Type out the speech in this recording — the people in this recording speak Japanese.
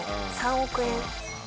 ３億円。